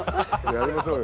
やりましょうよ。